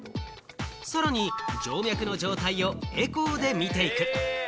さらに静脈の状態をエコーで診ていく。